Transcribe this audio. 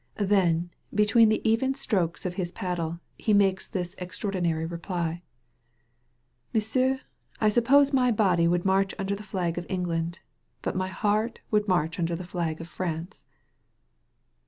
Then, between the even strokes of his paddle, he makes this extraordinary reply: ^^M^sieu, I suppose my body wovld march under the flag qf England. BtU my heart would march under the flag of France.